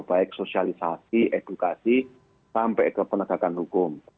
baik sosialisasi edukasi sampai ke penegakan hukum